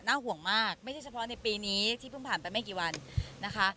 ห่วงมากไม่ใช่เฉพาะในปีนี้ที่เพิ่งผ่านไปไม่กี่วันนะคะ